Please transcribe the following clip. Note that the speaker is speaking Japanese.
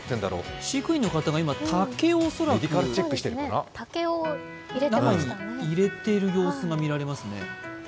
飼育員の方が恐らく竹を中に入れている様子が見られますね。